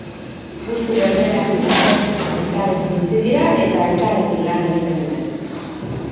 Gustu berberak dituzte, elkarrekin bizi dira eta elkarrekin lan egiten dute.